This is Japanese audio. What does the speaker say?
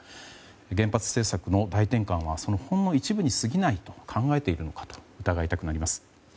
原発政策の大転換はその、ほんの一部に過ぎないと考えているのかと疑いたくなります。